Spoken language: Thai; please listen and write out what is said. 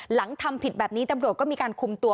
หลังทำผิดแบบนี้ตำรวจก็มีการคุมตัว